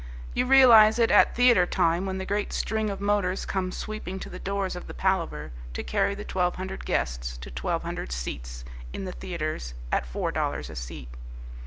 You realize it at theatre time when the great string of motors come sweeping to the doors of the Palaver, to carry the twelve hundred guests to twelve hundred seats in the theatres at four dollars a seat.